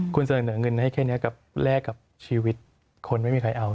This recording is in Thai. คุณเสนอเงินให้แค่นี้กับแลกกับชีวิตคนไม่มีใครเอา